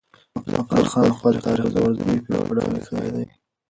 افضل خان خپل تاريخ د ورځنيو پېښو په ډول ليکلی دی.